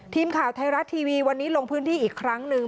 ทีมข่าวไทยรัฐทีวีวันนี้ลงพื้นที่อีกครั้งหนึ่ง